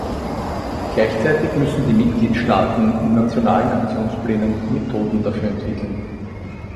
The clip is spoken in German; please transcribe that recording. Gleichzeitig müssen die Mitgliedstaaten in nationalen Aktionsplänen Methoden dafür entwickeln.